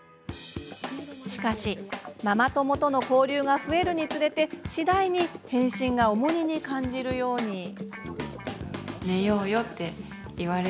しかし、ママ友との交流が増えるにつれて次第に返信が重荷に感じるように。